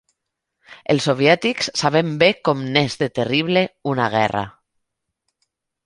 Els soviètics sabem bé com n'és de terrible una guerra.